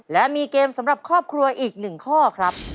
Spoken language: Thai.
และมีเกมสำหรับครอบครัวอีก๑ข้อครับ